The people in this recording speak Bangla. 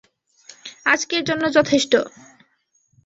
আজকের জন্য যথেষ্ট।